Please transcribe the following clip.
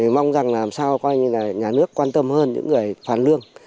mong rằng làm sao nhà nước quan tâm hơn những người phản lương